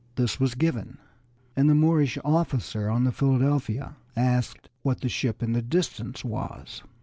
This was given, and the Moorish officer on the Philadelphia asked what the ship in the distance was.